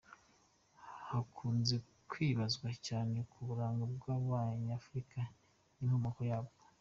Hakunze kwibazwa cyane ku buranga bw’Abanyafurika n’inkomoko yabwo.